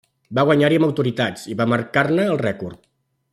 Va guanyar-hi amb autoritat i va marcar-ne el rècord.